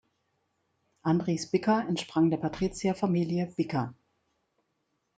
Andries Bicker entsprang der Patrizierfamilie Bicker.